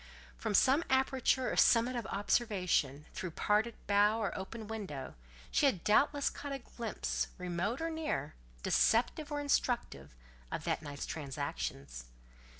From some aperture or summit of observation, through parted bough or open window, she had doubtless caught a glimpse, remote or near, deceptive or instructive, of that night's transactions.